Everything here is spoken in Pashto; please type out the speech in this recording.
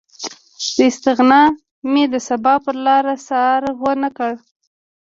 له استغنا مې د سبا پرلاره څار ونه کړ